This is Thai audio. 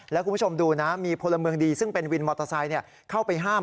แล้วคุณผู้ชมดูนะมีพลเมืองดีซึ่งเป็นวินมอเตอร์ไซค์เข้าไปห้าม